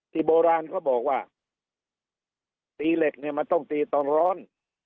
โบราณเขาบอกว่าตีเหล็กเนี่ยมันต้องตีตอนร้อน